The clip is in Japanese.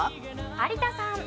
有田さん。